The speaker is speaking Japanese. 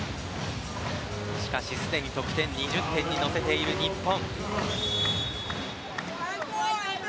しかし、すでに得点を２０点に乗せた日本。